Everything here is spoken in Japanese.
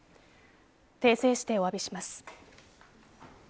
訂正してお詫びします。